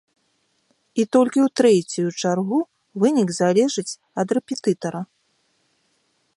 І толькі ў трэцюю чаргу вынік залежыць ад рэпетытара.